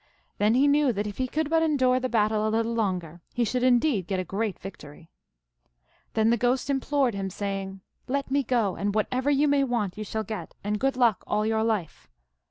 Then he knew that if he could but endure the battle a little longer he should indeed get a great victory. TALES OF MAGIC. 349 " Then the Ghost implored him, saying, Let me go, and whatever you may want you shall get, and good luck all your life.